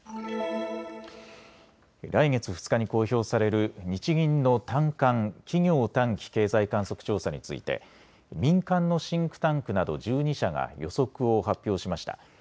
来月２日に公表される日銀の短観・企業短期経済観測調査について民間のシンクタンクなど１２社が予測を発表しました。